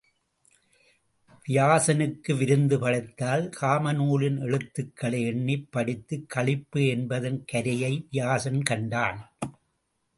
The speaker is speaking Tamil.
வியாசனுக்கு விருந்து படைத்தாள் காமநூலின் எழுத்துக்களை எண்ணிப் படித்துக் களிப்பு என்பதன் கரையை வியாசன் கண்டான்.